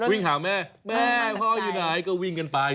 วิ่งหาแม่แม่พ่ออยู่ไหนก็วิ่งกันไป